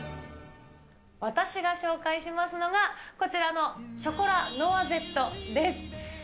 私が紹介しますのが、こちらのショコラノワゼットです。